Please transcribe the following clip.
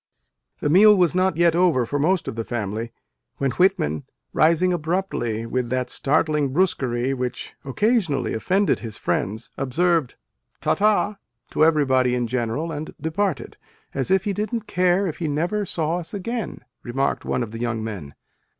The meal was not yet over, for most of the family, when Whitman, rising abruptly with that startling brusquerie which occasionally offended his friends, observed "Ta ta!" to everybody in general and departed "as if he didn t care if he never saw us again !" remarked one of the young men.